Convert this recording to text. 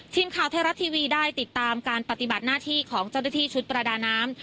ทีมข่าวไทยรัฐทีวีได้ติดตามการปฏิบัติหน้าที่ของเจ้าหน้าที่ชุดประดาน้ำ